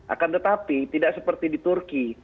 akan tetapi tidak seperti di turki